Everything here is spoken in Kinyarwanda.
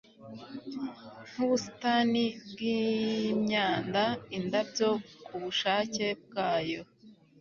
nkubusitani bwimyanda, indabyo kubushake bwayo